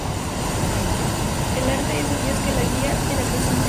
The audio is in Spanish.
El arte es el Dios que le guía en la creación de.